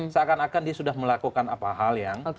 seakan akan dia sudah melakukan apa hal yang